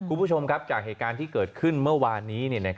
คุณผู้ชมครับจากเหตุการณ์ที่เกิดขึ้นเมื่อวานนี้